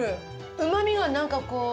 うまみがなんかこう何？